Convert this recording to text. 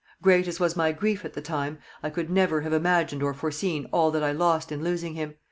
Great as was my grief at the time, I could never have imagined or foreseen all that I lost in losing him.